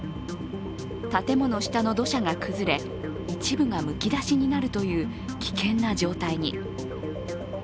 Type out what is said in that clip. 建物下の土砂が崩れ、一部がむき出しになるという危険な状態に。